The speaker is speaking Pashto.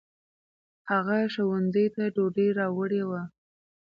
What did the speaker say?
هغه ښوونځي ته ډوډۍ راوړې وه.